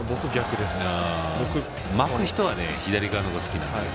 巻く人は左側の方が好きなの。